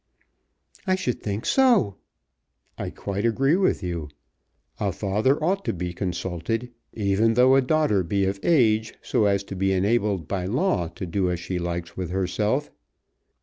"I should think so." "I quite agree with you. A father ought to be consulted, even though a daughter be of age, so as to be enabled by law to do as she likes with herself.